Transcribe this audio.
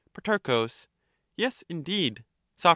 Pro. Yes, indeed. Soc.